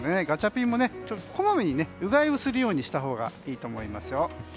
ガチャピンもこまめに、うがいをするようにしたほうがいいと思いますよ。